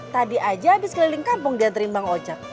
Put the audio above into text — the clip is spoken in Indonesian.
tadi aja habis keliling kampung dia terimbang ojek